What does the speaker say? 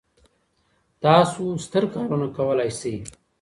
تاسو ستر کارونه کولای سئ.